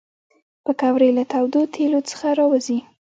پکورې له تودو تیلو څخه راوزي